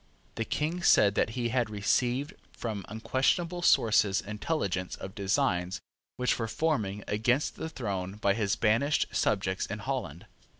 The King said that he had received from unquestionable sources intelligence of designs which were forming against the throne by his banished subjects in Holland.